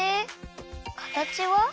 かたちは？